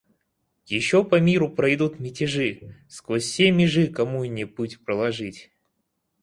Еще по миру пройдут мятежи — сквозь все межи коммуне путь проложить.